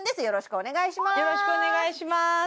よろしくお願いします